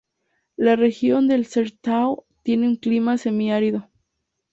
La región del "sertão" tiene un clima semiárido.